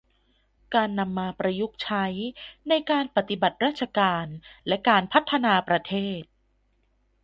การนำมาประยุกต์ใช้ในการปฏิบัติราชการและการพัฒนาประเทศ